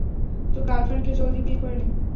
তোর গার্লফ্রেন্ডকে জলদি বিয়ে করে নে।